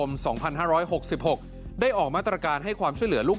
วาคมสองพันห้าร้อยหกสิบหกได้ออกมาตรการให้ความช่วยเหลือลูก